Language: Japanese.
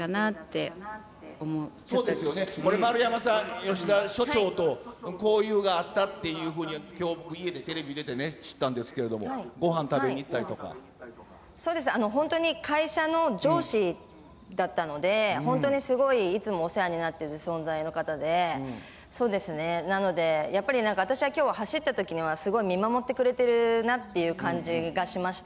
そうですね、丸山さん、吉田所長と交友があったっていうふうにきょう、家でテレビ見てて知ったんですけれども、ごはん食べに行ったりとそうです、本当に会社の上司だったので、本当にすごい、いつもお世話になっている存在の方で、そうですね、なので、やっぱりなんか私は、きょうは走ったときには、すごい見守ってくれているなっていう感じがしました。